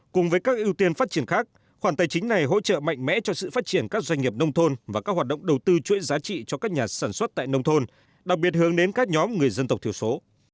cùng với các ưu tiên phát triển khác khoản tài chính này hỗ trợ mạnh mẽ cho sự phát triển các doanh nghiệp nông thôn và các hoạt động đầu tư chuỗi giá trị cho các nhà sản xuất tại nông thôn đặc biệt hướng đến các nhóm người dân tộc thiểu số